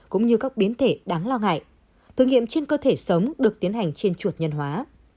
cũng như các biến thể đáng lo ngại thử nghiệm trên cơ thể sống được tiến hành trên chuột nhân hóa